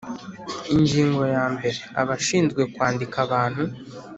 Ingingo ya mbere Abashinzwe kwandika abantu